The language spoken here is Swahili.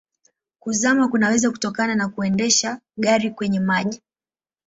Kuzama kunaweza kutokana na kuendesha gari kwenye maji.